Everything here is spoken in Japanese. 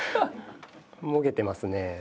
もげてますねぇ。